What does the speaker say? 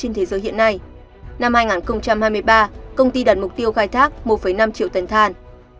năm hai nghìn hai mươi ba công ty đặt mục tiêu khai thác một năm triệu tấn than